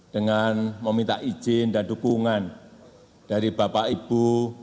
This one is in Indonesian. dengan meminta izin dan dukungan dari bapak ibu